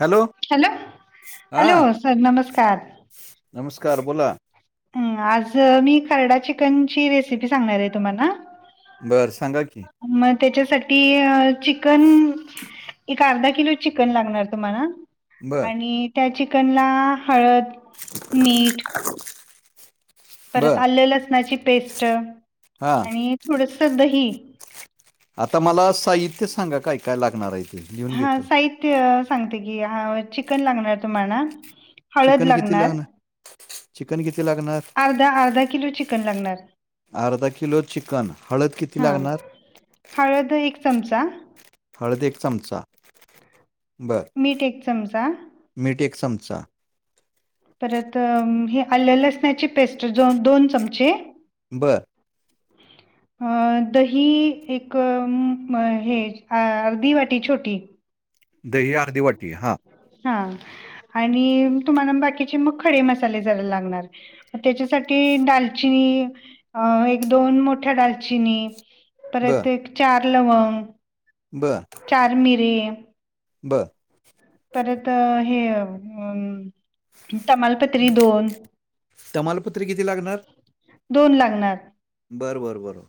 Hello hello हा hello sir नमस्कार! नमस्कार! बोला. आज मी खरडा चिकनची रेसिपी सांगणार हे तुम्हाला. बरं सांगा की. मग त्याच्यासाठी चिकन एक अर्धा किलो चिकन लागणार तुम्हाला बर आणि- त्या चिकनला हळद, मीठ परत बर आलं लसणाची पेस्ट हा आणि थोडस दही. आता मला साहित्य सांगा काय काय लागणार आहे? ते लिहून हा घेतो साहित्य सांगते की चिकन लागणार तुम्हाला. चिकन किती लागणार? चिकन किती लागणार? अर्धा अर्धा किलो चिकन लागणार. अर्धा किलो चिकन हळद किती हां लागणार? हळद एक चमचा. हळद एक चमचा बरं. मीठ एक चमचा. मिठ एक चमचा. परत ही आलं लसणाची पेस्ट जोन दोन चमचे. बरं. अ दही एक हे अर्धी वाटी छोटी. दही अर्धी वाटी हा. हा आणि तुम्हाला बाकीचे मग खडे मसाले जरा लागणार. तेच्यासाठी डालचिनी अ एक दोन मोठ्या डालचिनी. परत एक चार लवंग. बरं. चार मिरी. बरं. परत हे अ तमालपत्री दोन. तमालपत्री किती दोन लागणार. बरं बरं बरं.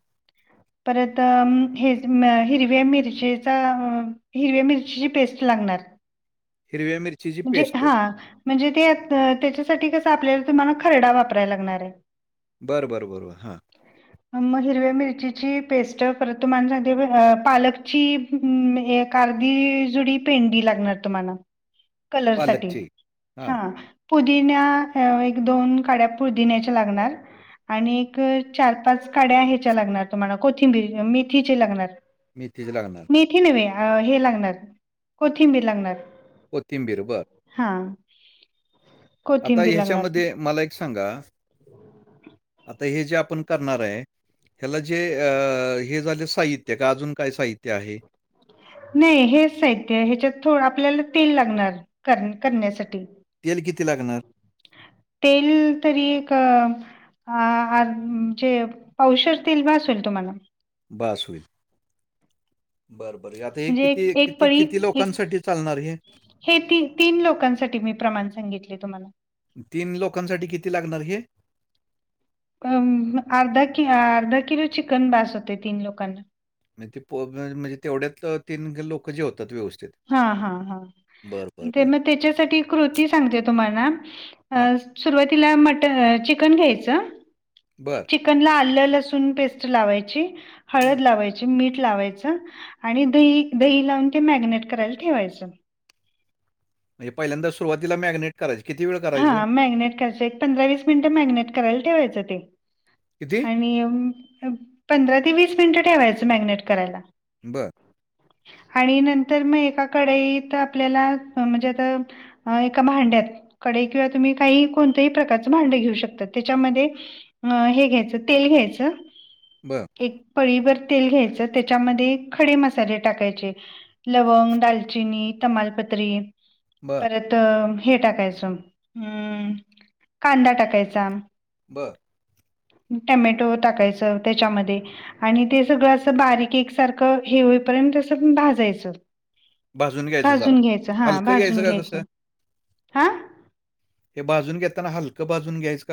परत हे हिरव्या मिरचेचा हिरव्या मिरचीची पेस्ट लागणार. हिरव्या मिर्ची म्हणजे हा म्हणजे ते त्याच्यासाठी कसं आपल्याला त मला खरडा वापरायला लागणार आहे. बरं बरं बरंबरं हां. मग हिरव्या मिरचीची पेस्ट. परत तुम्हाला सांगते पालकची हम् एक अर्धी जुडी पेंडी लागणार तुम्हाला. कलर साठी पालकची हां हा. पुदिन्या एक दोन काड्या पुदिन्याच्या लागणार. आणि एक चार- पाच काड्या ह्याच्या लागणार तुम्हाला कोथिंबीरी, मेथीची लागणार. मेथीच लागणार. मेथी नव्हे हे लागणार. कोथिंबीर. कोथिंबीर बरं. हा आता कोथिंबीर लागणार. ह्याच्यामध्ये मला एक सांगा आता हे जे आपण करणार आहे. ह्याला जे अ हे झाले साहित्य का अजून काय? साहित्य आहे. नाही हेच साहित्य ह्याच्यात थोडं आपल्याला तेल लागणार कर करण्यासाठी. तेल किती? लागणार. तेल तरी एक अ म्हणजे पावशेर तेल बास होइल तुम्हाला. बास होईल. बरं बरं आता हे म्हणजे एक किती? एक किती? पळी किती? एक लोकांसाठी चालणार हे. हे ती, तीन लोकांसाठी मी प्रमाण सांगितले तुम्हाला. तीन लोकांसाठी किती? लागणार हे. अ अर्धा, कि अर्धा, किलो चिकन बास होते. तीन लोकांना. मग ते पोरं नायत म्हणजे तीन लोक जेवतात व्यवस्थित. हा हां बरं, हां बरं, ते बरं. मग त्याच्यासाठी कृती सांगते तुम्हाला. हां, सुरुवातीला मट चिकन घ्यायचं. बरं. चिकन ला आलं, लसूण, पेस्ट लावायची, हं. हळद लावायची, मीठ लावायच. आणि दही, दही लावून ते मॅगिनेट करायला ठेवायचं. म्हणजे पहिल्यांदा सुरुवातीला मॅगनेट करायची कितीे? वेळ करायचं? हा मॅग्नेट करच एक पंधरा, वीस मिनिटं मॅगिनेट करायला ठेवायचं ते किती? आणि पंधरा ते वीस मिनिटं मॅगिनेट करायला. बरं. ह [inaudible] आणि नंतर मग एका कडाईत आपल्याला, म्हणजे आता एका भांड्यात. कढई किंवा तुम्ही काहीही कोणतंही प्रकारचं भांड घेऊ शकता तेच्यामध्ये ह हे घ्यायचं तेल घ्यायचं. बरं. एक पाळी भर तेल घ्यायचं, त्याच्यामध्ये खडे मसाले टाकायचे. लवंग, दालचिनी, तमालपत्री, बरं, परत हे टाकायचं हम्म, कांदा टाकायचा. ब. टमॅटो टाकायचा त्याच्यामध्ये. आणि ते सगळं असं बारीक एकसारखं हे होईपर्यंत असं भाजायचं घ्यायचं जरा. भाजून घ्यायचं हा हलकं भाजून का कसं? घ्यायचं, हा... हे भाजून घेताना हलकं भाजून घ्यायच.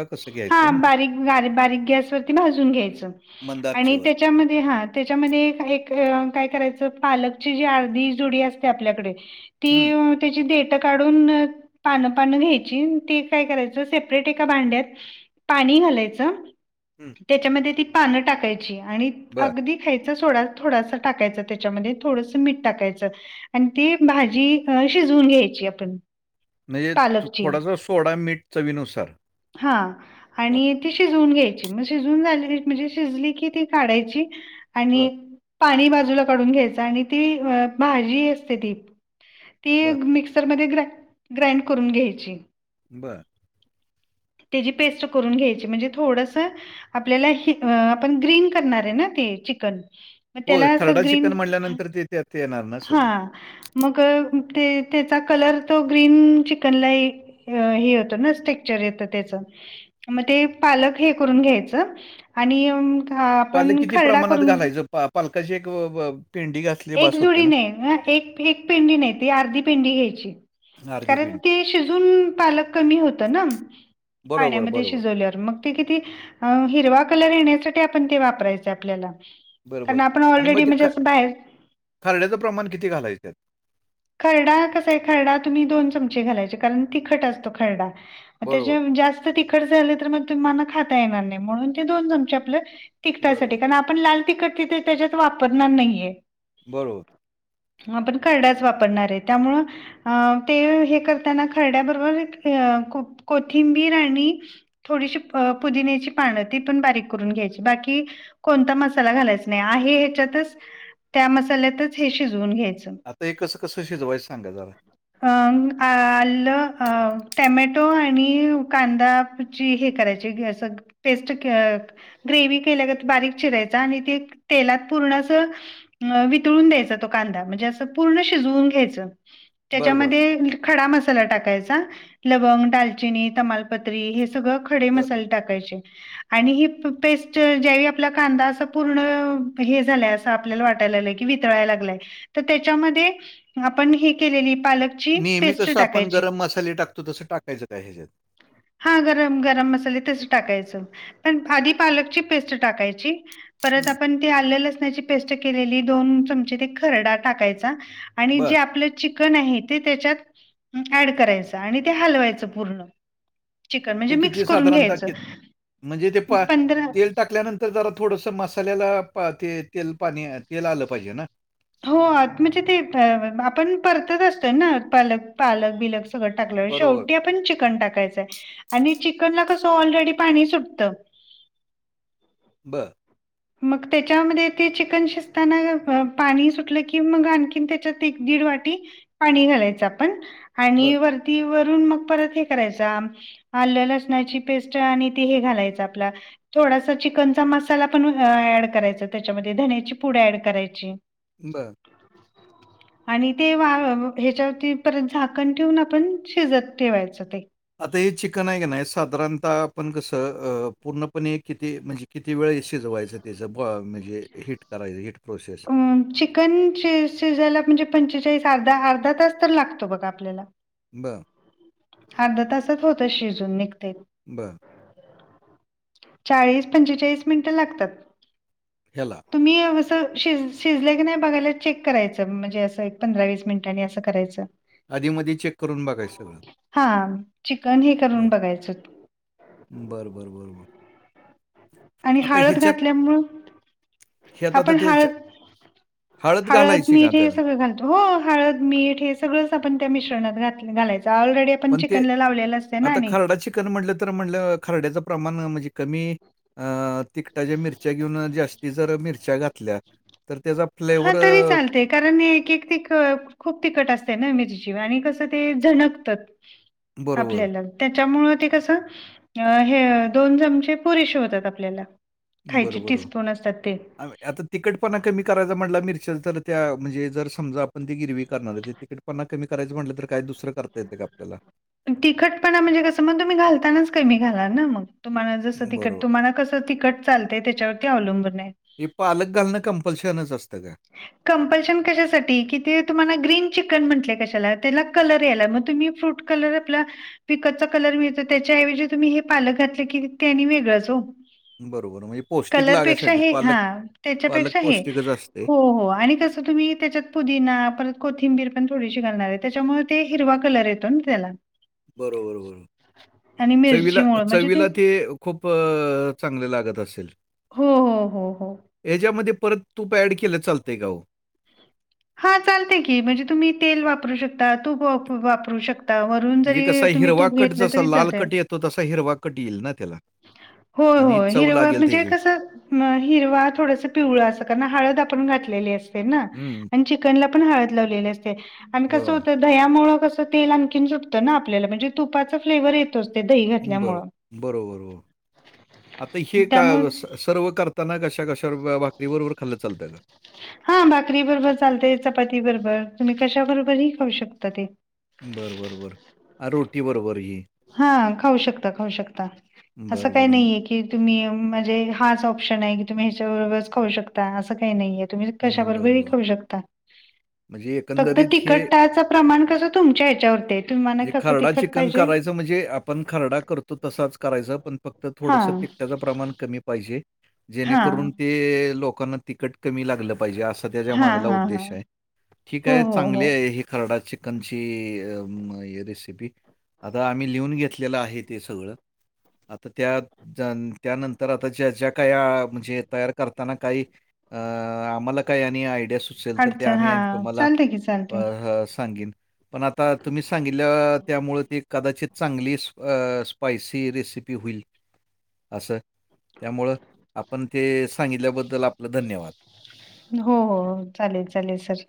हा बारीक बारीक गॅस वरती भाजून घ्यायचं, मंद आणि त्याच्यात आचेवर त्याच्यामध्ये हा त्याच्यामध्ये एक काय करायचं पालकची जी अर्धी जोडी असते आपल्याकडे हं, ती. त्याची देठ काढून पानं पानं घ्यायची, ते काय करायचं सेपरेट एका भांड्यात पाणी घालायच हं. त्याच्यामध्ये ती पान टाकायची आणि बर अगदी. खायचा सोडा थोडासा टाकायचं त्याच्यामध्ये, थोडस मीठ टाकायचं. आणि ती भाजी शिजवून घ्यायची आपण. म्हणजे पालकची थोडासा सोडा, मीठ, चवीनुसार. हा. बर आणि ती शिजून घ्यायची, मग शिजून झाली म्हणजे शिजली की ती काढायची. बर आणि पाणी बाजूला काढून घ्यायचं, आणि ती भाजी असते ती ती बर मिक्सरमध्ये ग्राईंड करून घ्यायची. बर. त्याची पेस्ट करून घ्यायची, म्हणजे थोडस आपल्याला आपण ग्रीन करणार आहे ना ते, चिकन. मग हो त्याला असं खरडा ग्रीन, चिकन म्हटल्यानंतर ते त्यात येणार ना हा.. सगळं मग ते त्याचा कलर तो, ग्रीन चिकनला येईल. अ हे होतं ना! टेक्चर येत. त्याच मग ते पालक हे करून घ्यायच आणि. हा पालक आपण किती खरडा प्रमाणात करून घालायचं पालकाची एक पेंडी घातली एक बास होते जोडी ना नाही, एक एक पेंडी नाही ती, अर्धी पेंडी घ्यायची. अर्धी कारण पेंडी ते शिजून पालक कमी होत ना! बरोबर पाण्यामध्ये बरोबर शिजवल्यावर मग, किती हिरवा कलर येण्यासाठी आपण ते वापरायच आपल्याला. कारण बरोबर आपण आणि मग ऑलरेडी ते म्हणजे ख- असं बाहेर. खरड्याचं प्रमाण किती घालायचं? खरडा कसा आहे, खरडा तुम्ही दोन चमचे घालायचे कारण तिखट असतो खरडा. बरोबर त्याच्या जास्त तिखट झाले तर मग तुम्हाला खाता येणार नाही मग, म्हणून ते दोन चमचे आपलं तखटासाठी बरोबर कारण आपण लाल तिखट तिथे त्याच्यात वापरणार नाहीये. बरो. आपण खर्डा वापरणार आहे त्यामुळे. अ ते हे करताना खरड्याबरोबर कोथिंबीर आणि थोडीशी पुदिन्याची पानं ती पण बारीक करून घ्यायची बाकी. कोणता मसाला घालायचा नाही आहे ह्याच्यातच हे शिजवून घ्यायचं. आता हे कसं कसं शिजवायं सांगा जरा? अ आलं, टमॅटो आणि कांदा. हे करायची हे असं टेस्ट ग्रेवही केल्या गत बारीक चिरायचा आणि ते तेलात पूर्ण अस अ वितळून द्यायचा तो कांदा म्हणजे अस पूर्ण शिजवून घ्यायच बरं बरं त्याच्यामध्ये ख खडा मसाला टाकायचा. लवंग, दालचिनी, तमालपत्र. पत्री हे सगळे खडे बरं. मसाले टाकायचे. आणि ही पेस्ट ज्यावेळी आपला कांदा असा पूर्ण हे झालाय असं आपल्याला वाटाय लागलाय वितळायला लागलय तर त्याच्यामध्ये आपण हे केलेलं पालक नेहमी कसं आपण गरम मसाले टाकतो तसं टाकायचं काय ह्याच्यात. हा गरम गरम मसाले तस टाकायचं. पण आधी पालकची पेस्ट टाकायची. परत हं, आपण ती आलं लसणाची पेस्ट केलेली दोन चमचे ते खरडा टाकायचा. आणि जे बरं. आपलं चिकन आहे ते त्याच्यात ऍड करायचं आणि ते हलवायचं पूर्ण. चिकन म्हणजे ते मिक्स किती करून साधारणतः कित म्हणजे ते घ्यायचं पा पंधरा तेल टाकल्यानंतर जरा थोडंसं मसाल्याला ते तेल पाणी तेल आलं पाहिजे ना. हो म्हणजे ते आपण परतत असतोय ना पालक पालक बिलक सग टाकल्या बरोबर. शेवटी आपण चिकन टाकायचंय आणि चिकन ला कसं ऑलरेडी पाणी सुटतं. बर. मग त्याच्यामध्ये ते चिकन शिजताना पाणी सुटलं की मग आणखी त्याच्यात एक दीड वाटी. पाणी घालायच पण आणि बरं, वरती वरून मग परत हे करायच. आलं लसणाची पेस्ट आणि हे घालायच आपला थोडासा चिकनचा. ण ऍड करायच त्याच्यामध्ये धण्याची पुड ऍड करायची. बरं. [unintelligible] आणि ते वा ह्याच्यावरती परत झाकण ठेवून आपण शिजत ठेवायचं ते. आता हे चिकन आहे का नाही साधारणतः आपण कस पूर्णपणे किती म्हणजे किती वेळ शिजवायचं त्याचं ब म्हणजे हीट करायचं हीट प्रोसेस. चिकन श शिजायला म्हणजे पंचेचाळीस अर्धा अर्धा तास तर लागतो बघा आपल्याला. बर. अर्ध तासात होतं शिजून निघतेय. बर. चाळीस पंचेचाळीस मिनिटं लागतात. चला. तुम्ही असं शिज शिजले की नाही बघायला चेक करायचं म्हणजे असं एक पंधरा वीस मिनिटांनी असं करायचं. आधीमध्ये चेक करून बघायचं सगळं. हा चिकन हि करून बरं. बघायचं. बरं बरं बरोबर. आणि हळद घातल्यामुळ ह्यात आता आपण ते हळद हळद घालायची का मीठ हे त्याला? सगळं घाल हो हळद, मीठ हे सगळंच आपण त्या मिश्रणात घालायच ऑलरेडी पण चिकन लावलेलं असते ना नानी. म्हलं तर म्ह खरड्याचं प्रमाण म्हणजे कमी अं तिकटाच्या मिरच्या घेऊन अ जास्ती जर मिरच्या घातल्या तर त्याचा हा फ्लेवर तरी अ, चालतेय, कारण एक एक ते अं खूप तिखट असत्या ना मिरची आणि कसं ते झणकतात बरोबर. आपल्याला. त्याच्यामुळं ते कसं अ हे दोन चमचे पुरेसे होतात आपल्याला. खायचे बरं बरं. टीस्पून असतात ते. आता तिकटपणा कमी करायचा म्हंटला मिरच्याच तर त्या म्हणजे जर समजा आपण ती गिरवी करणार आहे ते तिखट पणा कमी करायचं म्हटलं तर काय दुसरं करता येतंय का आपल्याला? तिखटपणा म्हणजे कसं मग तुम्ही घालतानाच कमी घाला ना मग. तुम्हाला जसं तिखट बरोबर. तुम्हाला कसं तिखट चालतंय त्याच्यावरती अवलंबून आहे. हे पालक घालणं कंपल्शनच असतं का? कंपल्शन कशासाठी की ते तुम्हाला ग्रीन चिकन म्हंटलय कशाला, त्याला कलर यायला. मग तुम्ही फ्रुट कलर आपला विकतचा कलर मिळतो त्याच्या ऐवजी तुम्ही हे पालक घातले की ते आणि वेगळंच ओ. बरोबर. म्हणजे पौष्टिक कलर पेक्षा लागायसाठी हे हा पालक त्याच्या पालक पेक्षा हे. पौष्टिकच असते. हो हो आणि कसं तुम्ही त्याच्यात पुदिना, परत कोथिंबीर पण थोडीशी घालणार आहे. त्याच्यामुळं ते हिरवा कलर येतो ना त्याला. बरोबर बरोबर. आणि चवीला मिरचीमुळे म्हणजे चवीला ते खूप चांगले लागत असेल. हो हो हो हो. याच्यामध्ये परत तूप ऍड केलं तर चालतंय का हो? हा चालते की म्हणजे तुम्ही तेल वापरू शकता, तूप वाप-वापरू शकता. अजून तरी तुम्ही तूप घेतलं तरी चालतंय. तो तसा हिरवा कट येईल ना त्याला. होय आणि होय. चव हिरवं लागेल म्हणजे त्याची. कसं न हिरवा थोडंसं पिवळा असं, कारण हळद आपण घातलेली असते ना. हं, आणि चि चिकनला पण हळद लावलेली असते आणि कस बरोबर. होत दह्यामुळं कसं तेल आणखीन सुटतं ना आपल्याला म्हणजे तुपाचा फ्लेवर येतोच ते दही बरो घातल्यामुळं. बरोबर हो आता हे त्यामुळं कळालचं. सर्व्ह करताना कशा कशा भाकरी बरोबर खाल्लं तर चालतंय का? हा भाकरी बरोबर चालतंय चपाती बरोबर तुम्ही कशा बरोबरही खाऊ शकता ते. बरं बरं बरं. रोटी बरोबर ही. हा खाऊ शकता खाऊ शकता. असं बरं, काही बरं. नाहीये की कि तुम्ही म्हणजे हाच ऑप्शन आहे की तुम्ही ह्याच्याबरोबरच खाऊ शकता असं काही नाहीये. तुम्ही कशा हं, बरं, बरोबरही बरं. खाऊ शकता. म्हणजे फक्त एकंदरीत हे तिखटाच प्रमाण कसं तुमच्या हेच्यावरती आहे. तुम्हाला म्हणजे कसं खरडा तिखट चिकन पाहिजे करायचं म्हणजे आपण खरडा करतो तसाच करायचा, पण फक्त थोडंसं हां, तिखटाचं प्रमाण कमी पाहिजे. हां. जेणेकरून ते लोकांना तिखट कमी लागलं पाहिजे असं हां, तेज्यामागला हां, हां. उद्देश आहे. ठीक हो, आहे हो, हो. चांगली आहे हि खर्डा चिकनची अ मग हि रेसिपी. आता आम्ही लिहून घेतलेलं आहे ते सगळं. आता त्यात ज्या त्यानंतर आता ज्या ज्या काय म्हणजे तयार करताना काही अं आम्हाला काय आणि आयडिया सुच असलं तर ते अडचण आम्ही आणि हां, तुम्हाला चालतंय की चालतंय. अ सांगेन, पण आता तुम्ही सांगितलं त्यामुळं ती कदाचित चांगली अ स्पायसी रेसिपी होईल. असं त्यामुळं आपण ते सांगितल्याबद्दल आपलं धन्यवाद. हो हो चालेल चालेल सर.